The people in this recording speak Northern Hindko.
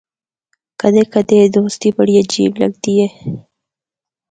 کدے کدے اے دوستی بڑی عجیب لگدی ہے۔